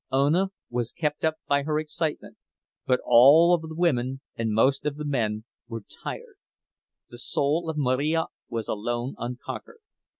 Ona was kept up by her excitement, but all of the women and most of the men were tired—the soul of Marija was alone unconquered.